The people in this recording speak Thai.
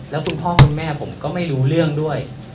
แล้วคุณพ่อคุณแม่ผมก็ไม่รู้เรื่องด้วย